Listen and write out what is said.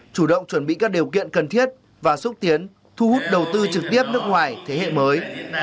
chủ động chuẩn bị các điều kiện cần thiết và xúc tiến thu hút đầu tư trực tiếp nước ngoài thế hệ mới